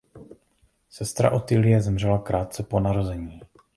Sestra Otýlie zemřela krátce po narození.